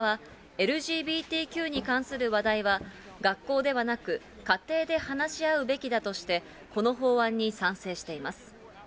共和党を中心とした保守派は、ＬＧＢＴＱに関する話題は学校ではなく、家庭で話し合うべきだとして、この法案に賛成しています。